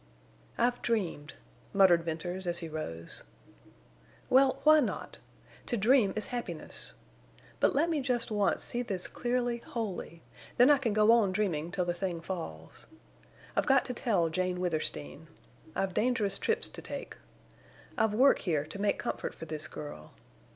"I've dreamed," muttered Venters, as he rose. "Well, why not?... To dream is happiness! But let me just once see this clearly wholly; then I can go on dreaming till the thing falls. I've got to tell Jane Withersteen. I've dangerous trips to take. I've work here to make comfort for this girl.